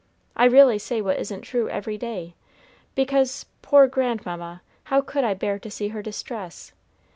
I really say what isn't true every day, because, poor grandmamma, how could I bear to see her distress?